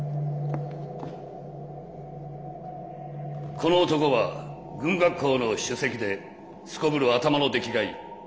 この男は軍学校の首席ですこぶる頭の出来がいい。